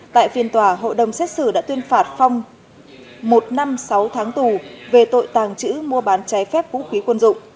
tại phiên tòa hội đồng xét xử đã tuyên phạt phong một năm sáu tháng tù về tội tàng trữ mua bán trái phép vũ khí quân dụng